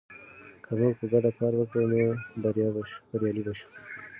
که موږ په ګډه کار وکړو، نو بریالي به شو.